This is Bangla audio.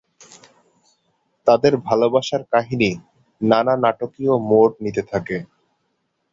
তাদের ভালবাসার কাহিনী নানা নাটকীয় মোড় নিতে থাকে।